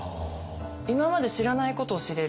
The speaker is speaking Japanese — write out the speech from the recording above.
今まで知らないことを知れる。